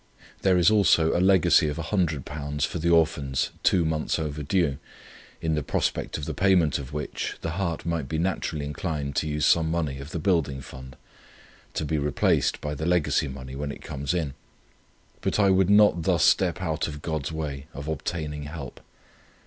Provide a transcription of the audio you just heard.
There is also a legacy of £100 for the Orphans two months overdue, in the prospect of the payment of which the heart might be naturally inclined to use some money of the Building Fund, to be replaced by the legacy money, when it comes in; but I would not thus step out of God's way of obtaining help.